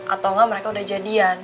atau enggak mereka udah jadian